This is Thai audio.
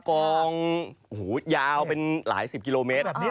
กองยาวเป็นหลายสิบกิโลเมตร